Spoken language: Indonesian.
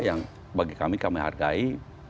yang bagi kami kami hargai